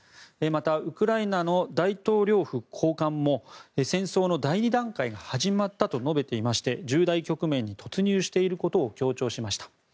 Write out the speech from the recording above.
また、ウクライナの大統領府高官も戦争の第２段階が始まったと述べていまして重大局面に突入していることを強調しました。